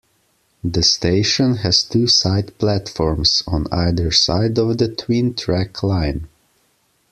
The station has two side platforms, on either side of the twin track line.